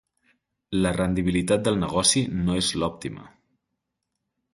La rendibilitat del negoci no és l'òptima.